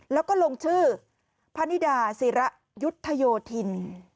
แล้วก็ลงชื่อพสยุทธโยธิน